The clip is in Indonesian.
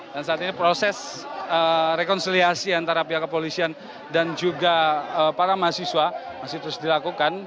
dan saat ini proses rekonsiliasi antara pihak kepolisian dan juga para mahasiswa masih terus dilakukan